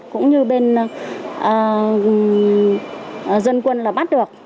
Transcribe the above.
cũng như bên dân quân là bắt được